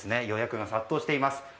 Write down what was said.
予約が殺到しています。